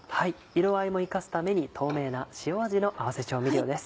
色合いも生かすために透明な塩味の合わせ調味料です。